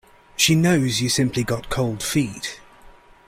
She knows you simply got cold feet.